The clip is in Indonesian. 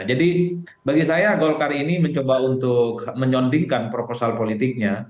jadi bagi saya golkar ini mencoba untuk menyondingkan proposal politiknya